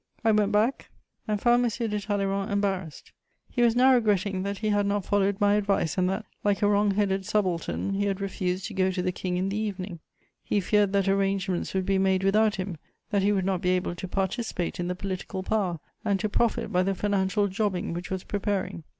I went back and found M. de Talleyrand embarrassed; he was now regretting that he had not followed my advice and that, like a wrong headed subaltern, he had refused to go to the King in the evening; he feared that arrangements would be made without him, that he would not be able to participate in the political power and to profit by the financial jobbing which was preparing.